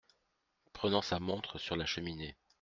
Prenant sa montre sur la cheminée.